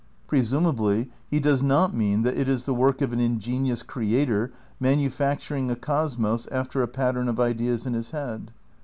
Presumably he does not mean that it is the work of an ingenious Creator manufacturing a cosmos after a pattern of ideas in his head.